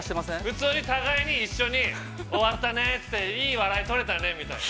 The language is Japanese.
◆普通に、互いに一緒に終わったねっていい笑い取れたねみたいな。